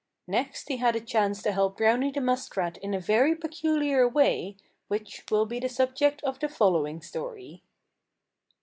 Next he had a chance to help Browny the Muskrat in a very peculiar way, which will be the subject of the following story.